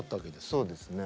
そうですね。